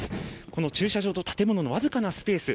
この駐車場と建物のわずかなスペース。